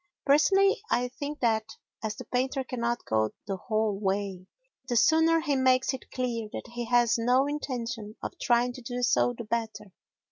Personally, I think that, as the painter cannot go the whole way, the sooner he makes it clear that he has no intention of trying to do so the better.